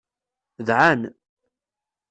Dɛan.